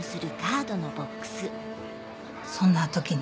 そんな時に。